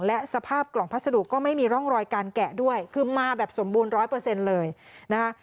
และสภาพกล่องพัสดุก็ไม่มีร่องรอยการแกะด้วยคือมาแบบสมบูรณ์๑๐๐เลยนะคะ